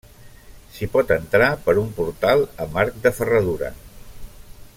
S'hi pot entrar per un portal amb arc de ferradura.